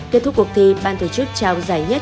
kết thúc cuộc thi ban tổ chức trao giải nhất